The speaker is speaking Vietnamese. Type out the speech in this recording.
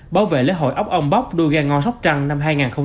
bảo vệ lễ hội ốc âm bốc đua gai ngò sóc trăng năm hai nghìn hai mươi ba